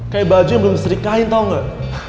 kayak baju yang belum diserikain tau gak